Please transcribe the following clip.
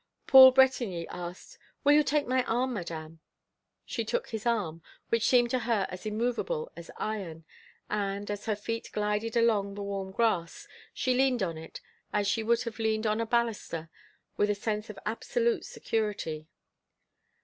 Paul Bretigny asked: "Will you take my arm, Madame?" She took his arm, which seemed to her as immovable as iron, and, as her feet glided along the warm grass, she leaned on it as she would have leaned on a baluster with a sense of absolute security.